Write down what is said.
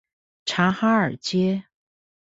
察哈爾街